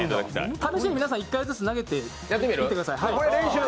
試しに皆さん、１回ずつ投げてみてください。